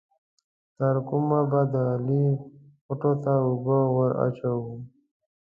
تر کومه به د علي خوټو ته اوبه ور اچوم؟